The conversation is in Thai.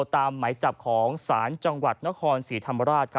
หมายจับของศาลจังหวัดนครศรีธรรมราช